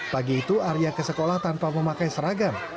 pagi itu arya ke sekolah tanpa memakai seragam